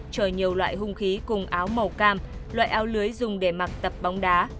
chở nhiều loại hung khí cùng áo màu cam loại ao lưới dùng để mặc tập bóng đá